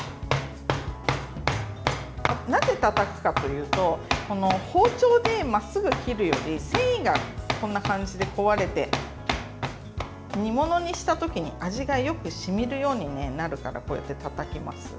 なぜ、たたくかというと包丁でまっすぐ切るより繊維が、こんな感じで壊れて煮物にした時に味がよく染みるようになるからこうやってたたきます。